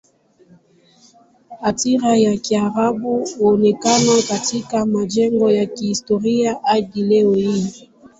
Athira ya Kiarabu huonekana katika majengo ya kihistoria hadi leo hii.